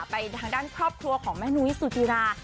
ไปทางด้านครอบครัวของแม่นุ้ยสุจิรา